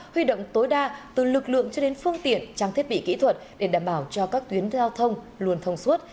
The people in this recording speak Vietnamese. huy động tối đa từ lực lượng cho đến phương tiện trang thiết bị kỹ thuật để đảm bảo cho các tuyến giao thông luôn thông suốt